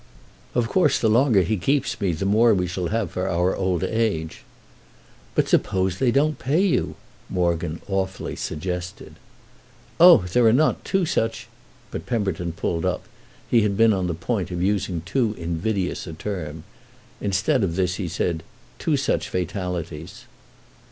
"Of course the longer he keeps me the more we shall have for our old age." "But suppose they don't pay you!" Morgan awfully suggested. "Oh there are not two such—!" But Pemberton pulled up; he had been on the point of using too invidious a term. Instead of this he said "Two such fatalities."